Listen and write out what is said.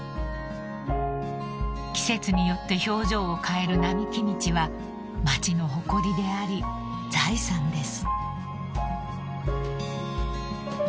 ［季節によって表情を変える並木道は町の誇りであり財産です］